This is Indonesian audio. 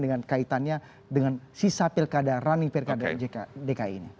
dengan kaitannya dengan sisa pilkada running pilkada dki ini